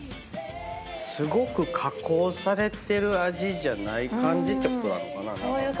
すごく加工されてる味じゃない感じってことなのかな？